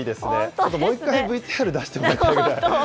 あともう１回ＶＴＲ出してもらいたいぐらい。